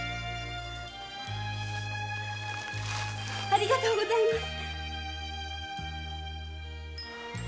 ありがとうございます。